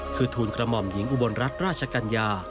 คือทูลกระหม่อมหญิงอุบลรัฐราชกัญญา